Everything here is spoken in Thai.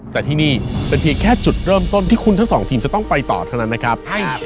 แต่ที่นี่เป็นเพียงแค่จุดเริ่มต้นที่คุณทั้งสองทีมจะต้องไปต่อเท่านั้นนะครับ